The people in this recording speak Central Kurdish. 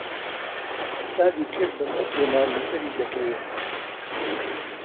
حیسابی کرد بە سەد دۆلار لەسەری دەکەوێت.